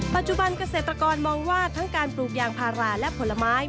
ปัจจุบันเกษตรกรมองว่าทั้งการปลูกยางพาราและผลไม้